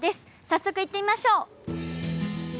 早速行ってみましょう。